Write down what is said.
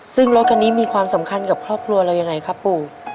ซึ่งรถคันนี้มีความสำคัญกับครอบครัวเรายังไงครับปู่